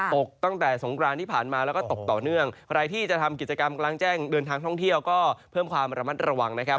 ตกตั้งแต่สงกรานที่ผ่านมาแล้วก็ตกต่อเนื่องใครที่จะทำกิจกรรมกลางแจ้งเดินทางท่องเที่ยวก็เพิ่มความระมัดระวังนะครับ